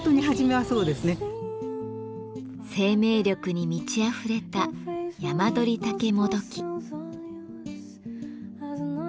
生命力に満ちあふれたヤマドリタケモドキ。